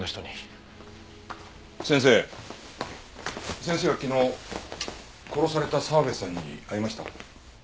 先生は昨日殺された澤部さんに会いましたか？